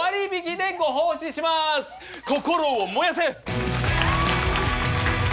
心を燃やせ！